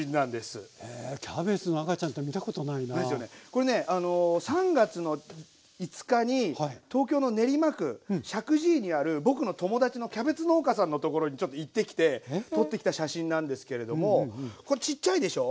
これねあの３月の５日に東京の練馬区石神井にある僕の友達のキャベツ農家さんのところにちょっと行ってきて撮ってきた写真なんですけれどもこれちっちゃいでしょ？